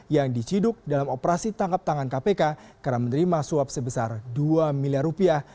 yang diciduk dalam operasi tangkap tangan kpk karena menerima suap sebesar dua miliar rupiah